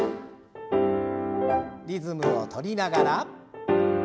リズムを取りながら。